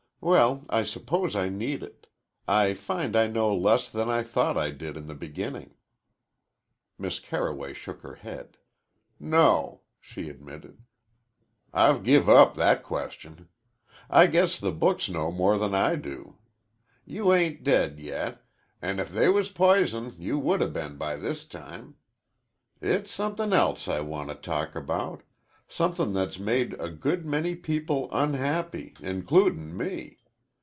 "Well, I suppose I need it. I find I know less than I thought I did in the beginning." Miss Carroway shook her head. "No," she admitted; "I've give up that question. I guess the books know more than I do. You ain't dead yet, an' if they was pizen you would 'a' been by this time. It's somethin' else I want to talk about somethin' that's made a good many people unhappy, includin' me.